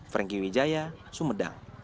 franky wijaya sumedang